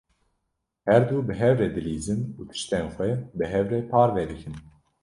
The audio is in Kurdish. Her du bi hev re dilîzin û tiştên xwe bi hev re parve dikin.